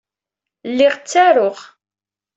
Lliɣ ttaruɣ.